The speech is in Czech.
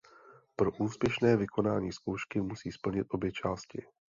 Pro úspěšné vykonání zkoušky musí splnit obě části.